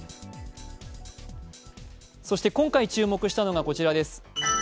今回注目したのがこちらです。